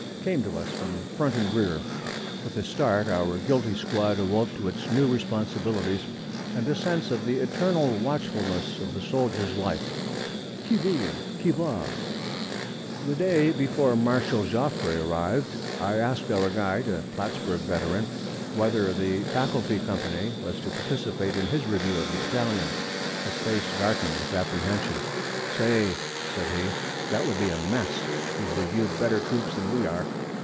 came to us from front and rear. With a start, our guilty squad awoke to its new responsibilities, and a sense of the eternal watchfulness of the soldier's life. Qui vive? Qui va? The day before Marshal Joffre arrived, I asked our guide, a Plattsburg veteran, whether the Faculty Company was to participate in his review of the battalion. His face darkened with apprehension. 'Say,' said he, 'that would be a mess! He's reviewed better troops than we are!'